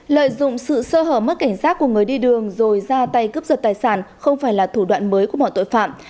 lợi dụng sự sơ hở mất cảnh giác của người đi đường rồi ra tay cướp giật tài sản không phải là thủ đoạn mới của bọn tội phạm